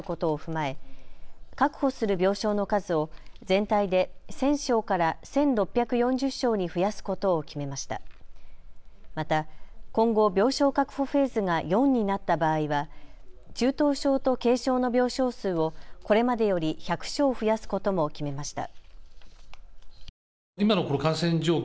また今後、病床確保フェーズが４になった場合は中等症と軽症の病床数をこれまでより１００床増やすことも決めました。